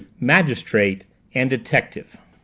MAGISTRATE AND DETECTIVE M.